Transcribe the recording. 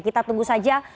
kita tunggu saja